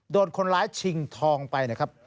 โดนคนร้ายชิงทองไปนะครับ